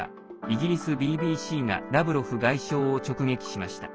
イギリスＢＢＣがラブロフ外相を直撃しました。